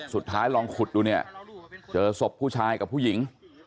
ลองขุดดูเนี่ยเจอศพผู้ชายกับผู้หญิง